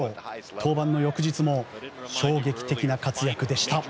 登板の翌日も衝撃的な活躍でした。